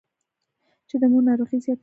چې د مور ناروغي زياته سوې ده.